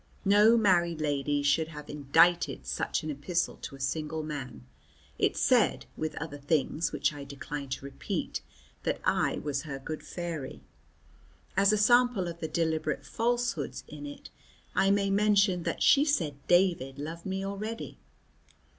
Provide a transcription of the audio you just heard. No married lady should have indited such an epistle to a single man. It said, with other things which I decline to repeat, that I was her good fairy. As a sample of the deliberate falsehoods in it, I may mention that she said David loved me already.